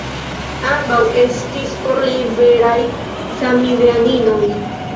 Ambaŭ estis por li veraj samideaninoj.